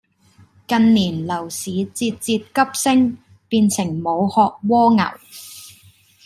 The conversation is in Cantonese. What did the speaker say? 近年樓市節節急升，變成無殼蝸牛